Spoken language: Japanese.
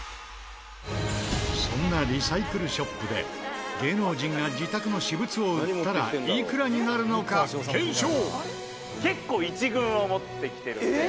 そんなリサイクルショップで芸能人が自宅の私物を売ったらいくらになるのか検証！